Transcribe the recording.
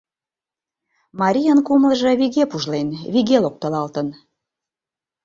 Марийын кумылжо виге пужлен, виге локтылалтын.